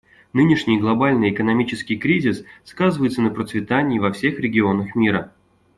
Нынешний глобальный экономический кризис сказывается на процветании во всех регионах мира.